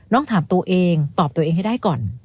ถามตัวเองตอบตัวเองให้ได้ก่อน